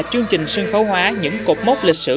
chương trình sân khấu hóa những cột mốc lịch sử